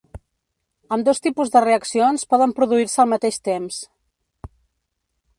Ambdós tipus de reaccions poden produir-se al mateix temps.